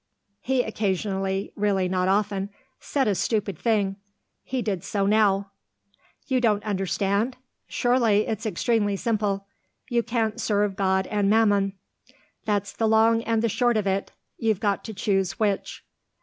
He occasionally (really not often) said a stupid thing; he did so now. "You don't understand? Surely it's extremely simple. You can't serve God and Mammon; that's the long and the short of it. You've got to choose which."